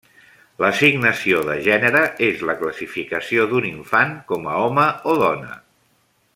L'assignació de gènere és la classificació d'un infant com a home o dona.